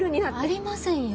ありませんよ